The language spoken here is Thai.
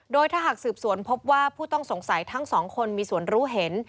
โดยถ้าหากสืบสวนพบว่าผู้ต้องสงสัยทั้งสองคนมีส่วนรู้เห็น